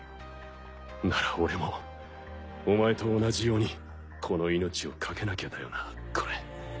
なら俺もお前と同じようにこの命を懸けなきゃだよなコレ。